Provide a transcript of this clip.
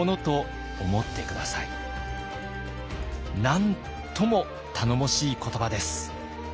なんとも頼もしい言葉です。